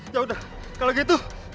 ya udah kalau gitu